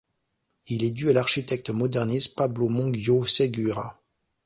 Il est dû à l'architecte moderniste Pablo Monguió Segura.